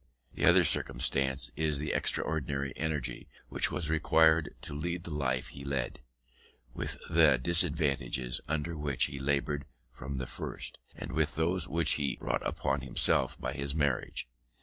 The other circumstance, is the extraordinary energy which was required to lead the life he led, with the disadvantages under which he laboured from the first, and with those which he brought upon himself by his marriage.